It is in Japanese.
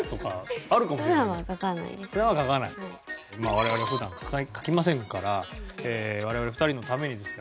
我々普段書きませんから我々２人のためにですね